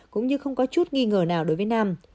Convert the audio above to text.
cũng như không có chút nghi ngờ nào đối với nam